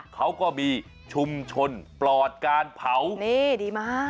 เขาก็มีชุมชนปลอดการเผานี่ดีมาก